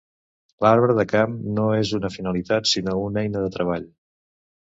L’arbre de camp no és una finalitat sinó una eina de treball.